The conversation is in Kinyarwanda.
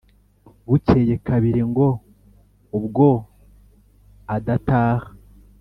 bukeye kabiri ngo " ubwo adataha,